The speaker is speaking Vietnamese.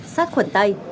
xác khuẩn tay